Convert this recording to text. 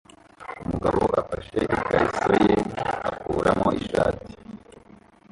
Umugabo afashe ikariso ye akuramo ishati